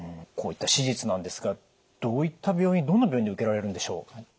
こういった手術なんですがどういった病院どんな病院で受けられるんでしょう？